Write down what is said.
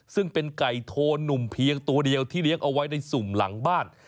ซึ่งเป็นไก่โทนุ่มเพียงตัวเดียวที่เลี้ยงเอาไว้ในสุ่มหลังบ้าน